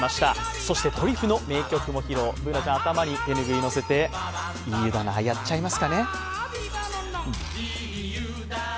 そしてドリフの名曲も披露Ｂｏｏｎａちゃん、頭に手拭いを載せて、いい湯だなぁ、やっちゃいますかね。